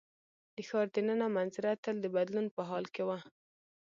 د ښار د ننه منظره تل د بدلون په حال کې وه.